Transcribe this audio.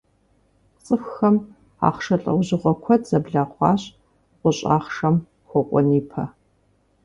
Цӏыхухэм «ахъшэ» лӏэужьыгъуэ куэд зэблахъуащ гъущӏ ахъшэм хуэкӏуэн ипэ.